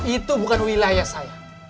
itu bukan wilayah saya